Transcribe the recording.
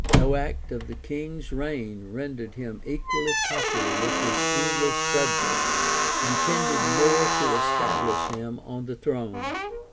[] No act of the king's reign rendered him equally popular with his English subjects, and tended more to establish him on the throne.